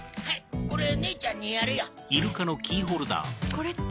これって。